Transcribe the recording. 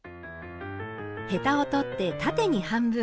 ヘタを取って縦に半分。